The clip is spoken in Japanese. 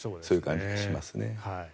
そういう感じがしますね。